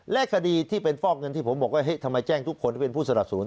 และคดีที่เป็นฝ้อมเงินที่ผมบอกทำไมแจ้งทุกคนเป็นผู้สรับสนุน